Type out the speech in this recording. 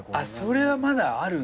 それはまだあるんすね。